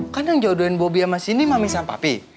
kan yang jodohin bobi sama cindy mami sama papi